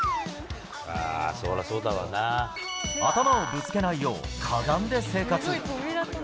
頭をぶつけないよう、かがんで生活。